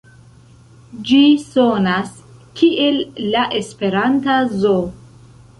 Ĝi sonas kiel la esperanta Zo.